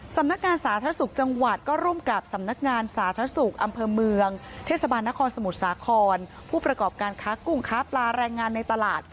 สำนักงานสาธารณสุขจังหวัดก็ร่วมกับสำนักงานสาธารณสุขอำเภอเมืองเทศบาลนครสมุทรสาครผู้ประกอบการค้ากุ้งค้าปลาแรงงานในตลาด